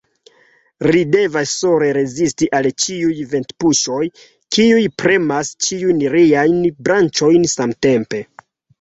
Ri devas sole rezisti al ĉiuj ventpuŝoj, kiuj premas ĉiujn riajn branĉojn samtempe.